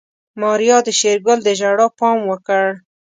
ماريا د شېرګل د ژړا پام وکړ.